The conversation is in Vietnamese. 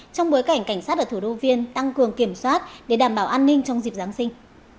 trong bối cảnh cảnh sát ở thủ đô viên tăng cường kiểm soát để đảm bảo an ninh trong dịp giáng sinh